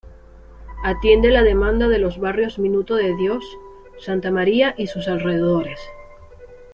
Atiende la demanda de los barrios Minuto de Dios, Santa María y sus alrededores.